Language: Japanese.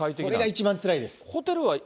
それが一番つらいです。